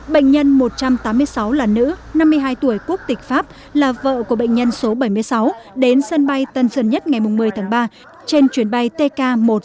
bệnh nhân một trăm tám mươi sáu là nữ năm mươi hai tuổi quốc tịch pháp là vợ của bệnh nhân số bảy mươi sáu đến sân bay tân sơn nhất ngày một mươi tháng ba trên chuyến bay tk một trăm sáu mươi